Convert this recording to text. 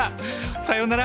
さようなら。